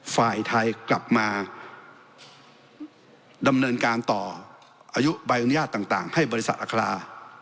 ฝ่ายไทยกลับมาดำเนินการต่ออายุใบอนุญาตต่างให้บริษัทอัครา